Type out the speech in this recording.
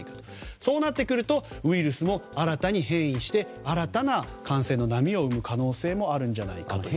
そうなってくるとウイルスも新たに変異して新たな感染の波を生む可能性もあるんじゃないかという。